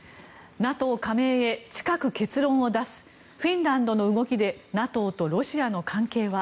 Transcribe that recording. ＮＡＴＯ加盟へ近く結論を出すフィンランドの動きでＮＡＴＯとロシアの関係は？